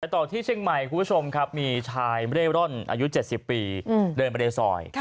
ต่อที่เชียงใหม่คุณผู้ชมครับมีชายเร่ร่อนอายุ๗๐ปีเดินไปในซอย